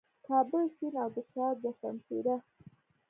کابل سیند او د شاه دو شمشېره